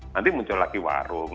nanti muncul lagi warung